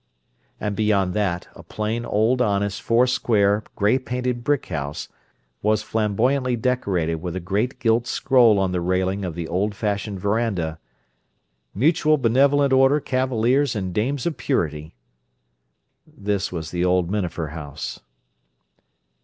And beyond that, a plain old honest four square gray painted brick house was flamboyantly decorated with a great gilt scroll on the railing of the old fashioned veranda: "Mutual Benev't Order Cavaliers and Dames of Purity." This was the old Minafer house.